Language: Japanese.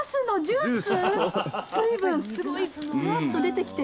すごい！ぶわっと出てきて。